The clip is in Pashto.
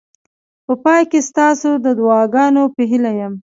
په پای کې ستاسو د دعاګانو په هیله یم.